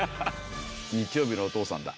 「日曜日のお父さんだ」